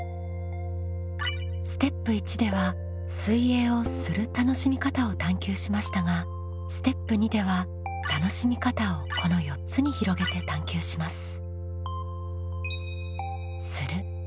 ステップ１では水泳をする楽しみ方を探究しましたがステップ２では楽しみ方をこの４つに広げて探究します。